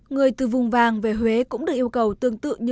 người từ vùng vàng về huế cũng được yêu cầu tương tự như